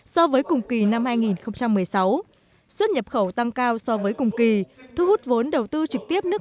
so với cùng kỳ năm hai nghìn một mươi sáu xuất nhập khẩu tăng cao so với cùng kỳ thu hút vốn đầu tư trực tiếp nước